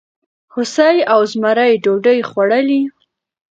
هوسۍ او زمري ډوډۍ خوړلې؟